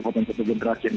sokong satu generasi yang